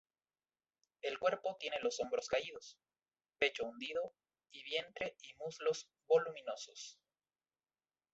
El cuerpo tiene los hombros caídos, pecho hundido y vientre y muslos voluminosos.